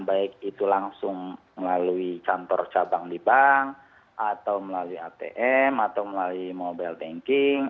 baik itu langsung melalui kantor cabang di bank atau melalui atm atau melalui mobile banking